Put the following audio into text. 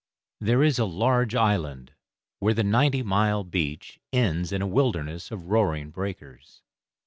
There is a large island where the Ninety Mile Beach ends in a wilderness of roaring breakers.